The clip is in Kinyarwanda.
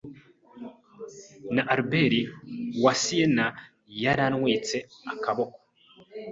Na Albert wa Siena yarantwitse akababoko